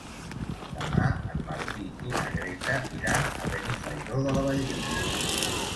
Demà en Martí i na Greta iran a Benifairó de la Valldigna.